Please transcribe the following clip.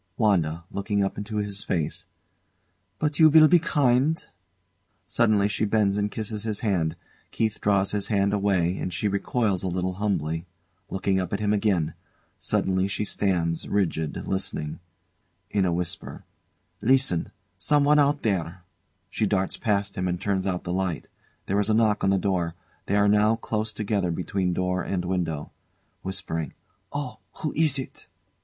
WANDA. [Looking up into his face] But you will be kind? Suddenly she bends and kisses his hand. KEITH draws his hand away, and she recoils a little humbly, looking up at him again. Suddenly she stands rigid, listening. [In a whisper] Listen! Someone out there! She darts past him and turns out the light. There is a knock on the door. They are now close together between door and window. [Whispering] Oh! Who is it?